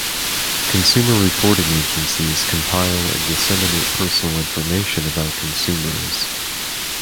Consumer reporting agencies compile and disseminate personal information about consumers.